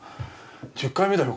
１０回目だよ